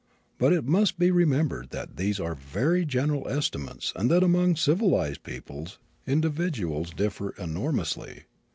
But it must be remembered that these are very general estimates and that among civilized peoples individuals differ enormously.